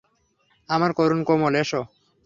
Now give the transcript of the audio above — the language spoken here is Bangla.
আমার করুণ কোমল, এসো!